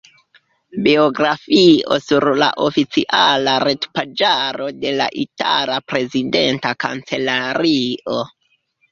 Biografio sur la oficiala retpaĝaro de la itala prezidenta kancelario.